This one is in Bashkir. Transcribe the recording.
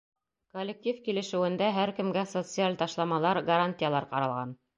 Коллектив килешеүендә һәр кемгә социаль ташламалар, гарантиялар ҡаралған.